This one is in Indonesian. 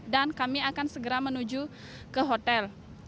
dan kami akan segera menuju ke hotel